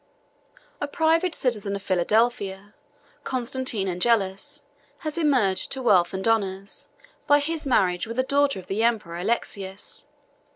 A private citizen of Philadelphia, Constantine Angelus, had emerged to wealth and honors, by his marriage with a daughter of the emperor Alexius.